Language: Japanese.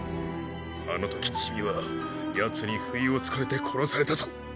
あのときチミはヤツに不意をつかれて殺されたと。